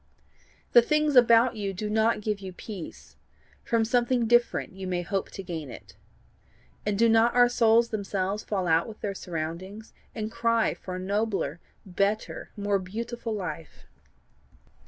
The things about you do not give you peace; from something different you may hope to gain it. And do not our souls themselves fall out with their surroundings, and cry for a nobler, better, more beautiful life?